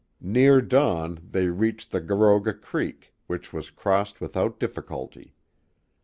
Near dawn they reached the Garoga Creek, which was crossed without difficulty.